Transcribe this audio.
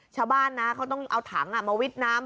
ชาวบ้านนะเขาต้องเอาถังมาวิดน้ำ